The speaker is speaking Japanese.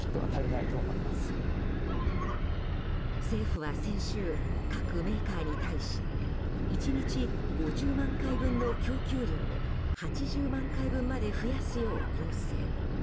政府は先週各メーカーに対し１日５０万回分の供給量を８０万回分まで増やすよう要請。